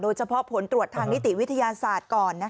เฉพาะผลตรวจทางนิติวิทยาศาสตร์ก่อน